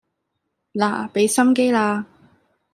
嗱畀心機啦